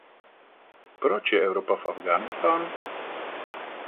Proč je Evropa v Afghánistánu?